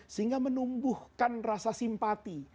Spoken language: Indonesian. sehingga menumbuhkan rasa simpati